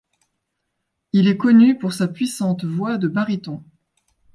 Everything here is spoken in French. Il est connu pour sa puissante voix de baryton.